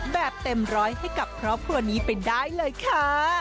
แบบเต็มร้อยให้กับครอบครัวนี้ไปได้เลยค่ะ